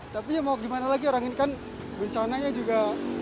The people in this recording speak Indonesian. tapi ya mau gimana lagi orang ini kan bencananya juga